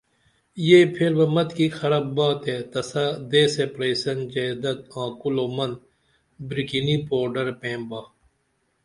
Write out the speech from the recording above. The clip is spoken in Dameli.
یہ پھیر بہ متِکی خرپ باتے تسہ دیسیے پریسن جئیدد آں کُلومن بریکینی پوڈرہ پین با